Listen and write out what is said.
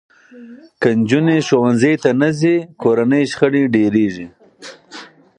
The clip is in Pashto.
که نجونې ښوونځي ته نه ځي، کورني شخړې ډېرېږي.